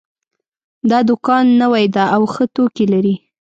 دا دوکان نوی ده او ښه توکي لري